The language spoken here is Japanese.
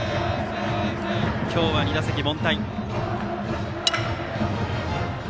今日は２打席凡退。